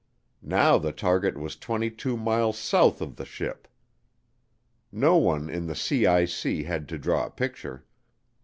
Now the target was 22 miles south of the ship. No one in the CIC had to draw a picture.